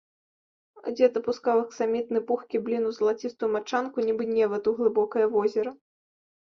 Дзед апускаў аксамітны, пухкі блін у залацістую мачанку, нібы невад у глыбокае возера.